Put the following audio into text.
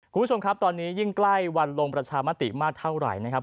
คุณผู้ชมครับตอนนี้ยิ่งใกล้วันลงประชามติมากเท่าไหร่นะครับ